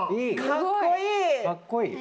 かっこいい！